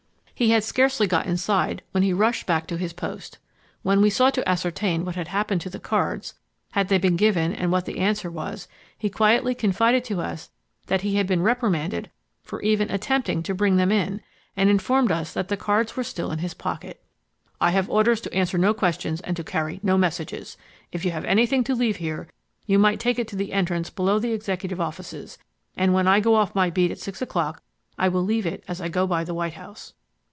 He had scarcely got inside when he rushed back to his post. When we sought to ascertain what had happened to the cards—had they been given and what the answer was—he quietly confided to us that he had been reprimanded for even attempting to bring them in and informed us that the cards were still in his pocket. "I have orders to answer no questions and to carry no messages. If you have anything to leave here you might take it to the entrance below the Executive offices, and when I go off my beat at six o'clock I will leave it as I go by the White House."